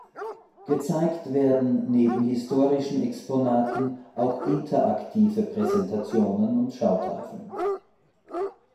Gezeigt werden neben historischen Exponaten auch interaktive Präsentationen und Schautafeln.